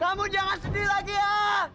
kamu jangan sedih lagi ya